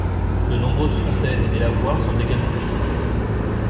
De nombreuses fontaines et des lavoirs sont également visibles.